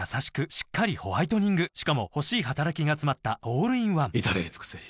しっかりホワイトニングしかも欲しい働きがつまったオールインワン至れり尽せり